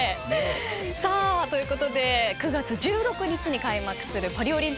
さあということで９月１６日に開幕するパリオリンピック予選。